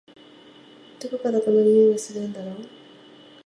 どこからこの匂いがするんだろ？